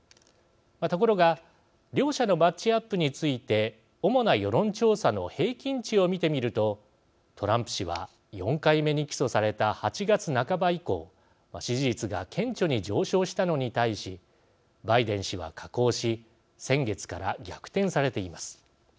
ところが両者のマッチアップについて主な世論調査の平均値を見てみるとトランプ氏は４回目に起訴された８月半ば以降支持率が顕著に上昇したのに対しバイデン氏は下降し先月から逆転されています。